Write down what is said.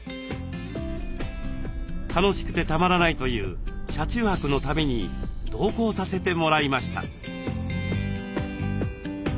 楽しくてたまらないという車中泊の旅に同行させてもらいました。